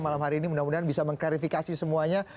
malam hari ini mudah mudahan bisa mengklarifikasi semuanya